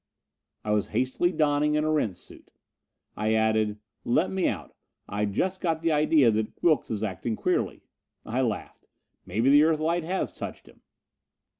I was hastily donning an Erentz suit. I added, "Let me out. I just got the idea Wilks is acting queerly." I laughed. "Maybe the Earthlight has touched him."